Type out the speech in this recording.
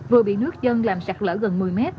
vừa bị nước dân làm sạt lở gần một mươi m